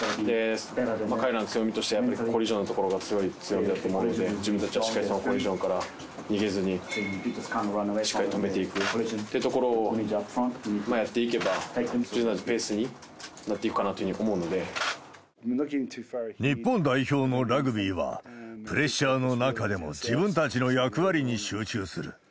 彼らの強みとしてはやっぱりコリジョンのところが強みだと思うので、自分たちはしっかりそのコリジョンから逃げずにしっかり止めていくっていうところをやっていけば、自分たちのペースになって日本代表のラグビーは、プレッシャーの中でも自分たちの役割に集中する。